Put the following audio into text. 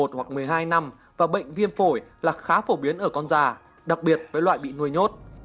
từ một mươi một hoặc một mươi hai năm và bệnh viêm phổi là khá phổ biến ở con già đặc biệt với loại bị nuôi nhốt